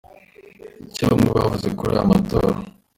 Icyo bamwe bavuze kuri aya matora.